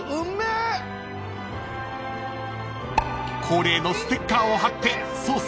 ［恒例のステッカーを貼って］